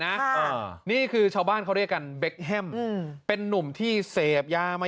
อ่านี่คือชาวบ้านเขาเรียกกันเบคแฮมอืมเป็นนุ่มที่เสพยามา